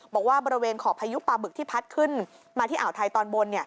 บอกว่าบริเวณขอบพายุปลาบึกที่พัดขึ้นมาที่อ่าวไทยตอนบน